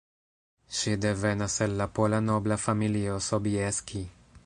Ŝi devenas el la pola nobla familio Sobieski.